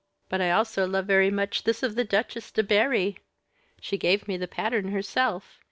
_ But I also love very much this of the Duchesse de Berri. She gave me the pattern herself.